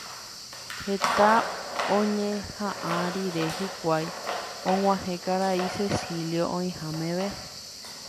Heta oñeha'ã rire hikuái og̃uahẽ karai Cecilio oĩha meve.